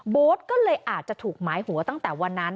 ก็เลยอาจจะถูกหมายหัวตั้งแต่วันนั้น